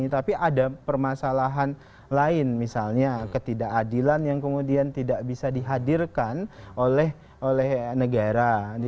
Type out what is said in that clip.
tapi ada permasalahan lain misalnya ketidakadilan yang kemudian tidak bisa dihadirkan oleh negara